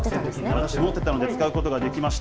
私持っていたので使うことができました。